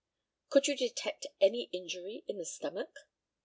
Could you detect any injury in the stomach?